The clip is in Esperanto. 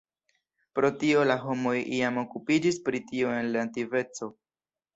Pro tio la homoj jam okupiĝis pri tio en la antikveco.